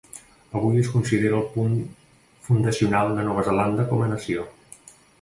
Avui es considera el punt fundacional de Nova Zelanda com a nació.